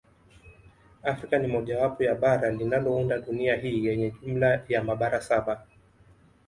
Afrika ni mojawapo ya bara linalounda dunia hii yenye jumla ya mabara saba